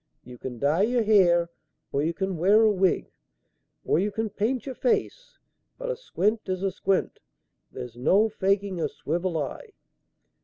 You can dye your hair or you can wear a wig or you can paint your face; but a squint is a squint. There's no faking a swivel eye."